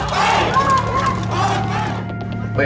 โปรดติดตามตอนต่อไป